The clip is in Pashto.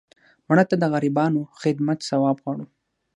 مړه ته د غریبانو خدمت ثواب غواړو